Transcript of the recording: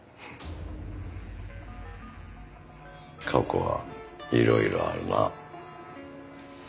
過去はいろいろあるな。